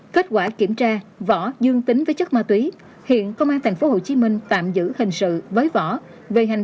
kết quả kiểm tra vỏ dương tính với chất ma túy hiện công an tp hcm tạm giữ hình sự với vỏ về hành